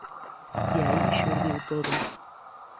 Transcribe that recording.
De aí xurdiu todo.